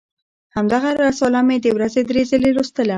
همدغه رساله مې د ورځې درې ځله لوستله.